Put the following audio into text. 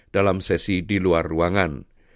dalam sesi di luar ruangan